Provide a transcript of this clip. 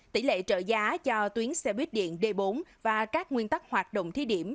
tỷ lệ trợ giá cho tuyến xe buýt điện d bốn và các nguyên tắc hoạt động thí điểm